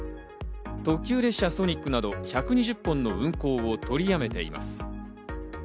東急列車ソニックなど１２０本の運行を取り止めています。